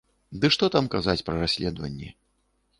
Ды што там казаць пра расследаванні.